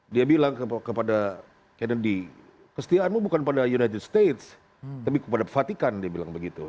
dia bilang kepada kennedy kesetiaanmu bukan pada united states tapi kepada fatikan dia bilang begitu